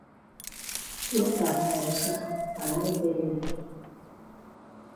If na kongosa I no dey me dey.